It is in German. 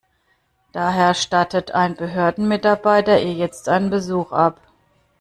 Daher stattet ein Behördenmitarbeiter ihr jetzt einen Besuch ab.